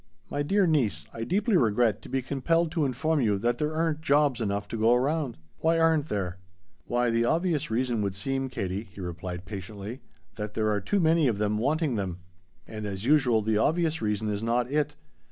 My dear niece, I deeply regret to be compelled to inform you that there aren't 'jobs' enough to go around." "Why aren't there?" "Why the obvious reason would seem, Katie," he replied patiently, "that there are too many of them wanting them." "And as usual, the obvious reason is not it.